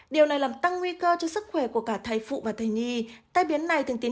điều này làm tăng nguy cơ cho sức khỏe của cả thầy phụ và thai nhi tai biến này thường tiến